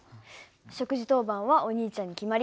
食事当番はお兄ちゃんに決まり。